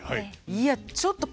いやちょっと多分。